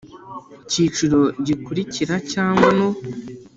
kiciro gikurikira cyangwa no